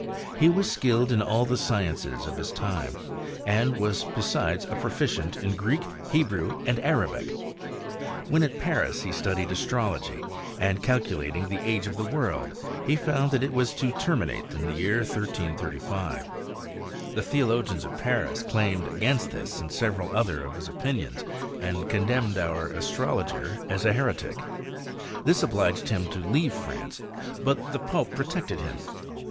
'He was skilled in all the sciences of his time, and was besides a proficient in Greek, Hebrew, and Arabic. When at Pauris he studied astrology, and calculating the age of the world, he found that it was to termi nate in the year 1335. The theologians of Paris ex* '.,• Gjiirf«i'5fitedilttiderCheime,i.74 4S HISTORY er cuEicistRr. Glaimed against this and several other of his opimonSi and condemned our astrologer as a heretic. This obliged him to leave France ; but the pope protected him.